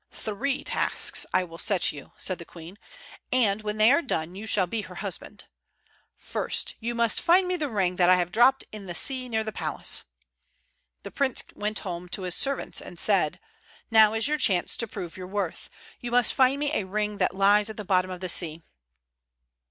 "Three tasks I will set you," said the queen, "and when they are done you shall be her husband. First, you must find me the ring that I have dropped in the sea near the palace." The prince went home to his servants, and said: "Now is your chance to prove your worth. You must find me a ring that lies at the bottom of the sea."